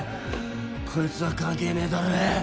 こいつは関係ねぇだろ。